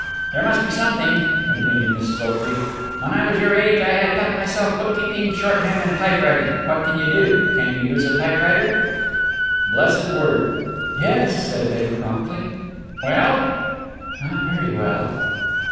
"There must be something," continued Mrs. Oakley. "When I was your age I had taught myself bookkeeping, shorthand, and typewriting. What can you do? Can you use a typewriter?" Blessed word! "Yes," said Betty promptly. "Well?" "Not very well?"